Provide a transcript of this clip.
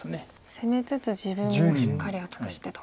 攻めつつ自分もしっかり厚くしてと。